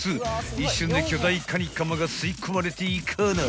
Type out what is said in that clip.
［一瞬で巨大カニカマが吸い込まれていかな］